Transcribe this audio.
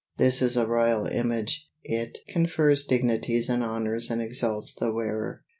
This is a royal image; it confers dignities and honors and exalts the wearer.